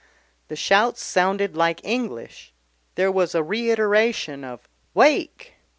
The shouts sounded like English, there was a reiteration of "Wake!"